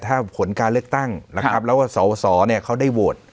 ถ้าผลการเลือกตั้งนะครับแล้วก็สอสอเนี่ยเขาได้โหวต